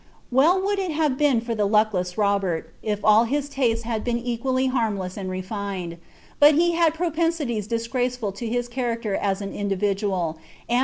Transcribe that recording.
Well would it have been for the luckless Robert, if all his tastes liad been equally harmless and refined ; but he had propensities disgraceful to his character as an individual, and ruinous to his fortunes as a prince.